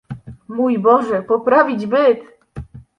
"Mój Boże, poprawić byt!"